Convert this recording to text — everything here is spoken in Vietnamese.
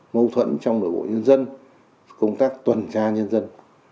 mâu thuẫn trong nội bộ nhân dân công tác tuần tra nhân dân